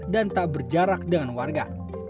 dan tak berjarak dengan warga